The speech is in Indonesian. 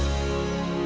apasih ya biksu